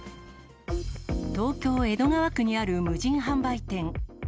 東京・江戸川区にある無人販売店。